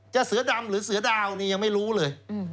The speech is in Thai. เสือดำหรือเสือดาวนี่ยังไม่รู้เลย